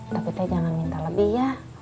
tapi saya jangan minta lebih ya